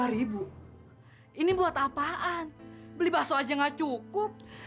rp lima ini buat apaan beli bakso aja gak cukup